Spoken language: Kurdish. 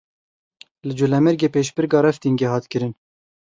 Li Colemêrgê pêşbirka raftingê hat kirin.